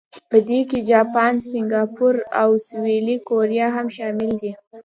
په دې کې جاپان، سنګاپور او سویلي کوریا هم شامل دي.